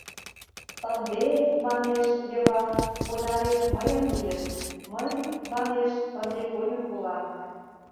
— Ынде, манеш, Йыван, понарет мыйын лийын, мый, манеш, ынде конюх улам.